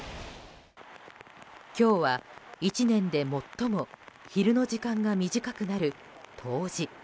今日は１年で最も昼の時間が短くなる冬至。